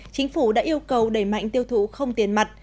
chính phủ đã yêu cầu đẩy mạnh tiêu thụ không tiền mặt